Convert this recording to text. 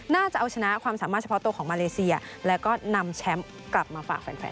จะเอาชนะความสามารถเฉพาะตัวของมาเลเซียแล้วก็นำแชมป์กลับมาฝากแฟน